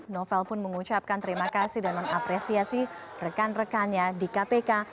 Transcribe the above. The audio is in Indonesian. novel pun mengucapkan terima kasih dan mengapresiasi rekan rekannya di kpk